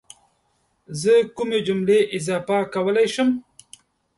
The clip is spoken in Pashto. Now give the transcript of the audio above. زه کومې جملې اضافه کولی شم؟